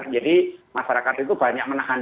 jadi masyarakat itu banyak menahan